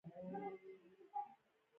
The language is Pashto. که ولسمشر د قضایه قوې خپلواکي زیانه کړي.